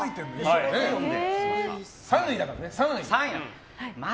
３位だからね。